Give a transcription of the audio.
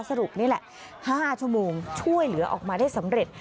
สรุปนี่แหละ๕ชั่วโมงช่วยเหลือออกมาได้สำเร็จ